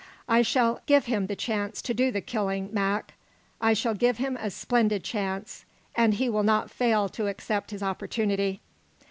I shall give him the chance to do the killing, Mac. I shall give him a splendid chance, and he will not fail to accept his opportunity.